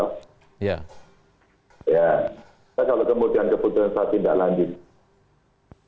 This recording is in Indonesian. kalau kemudian keputusan saya tindak lanjut